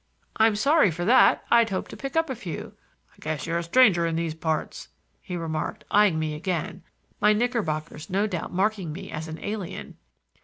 "I'm sorry for that. I'd hoped to pick up a few." "I guess you're a stranger in these parts," he remarked, eying me again,—my knickerbockers no doubt marking me as an alien.